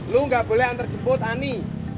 lo gak boleh antar jemput ani